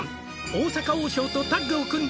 「大阪王将とタッグを組んで」